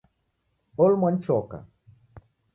Olumwa ni choka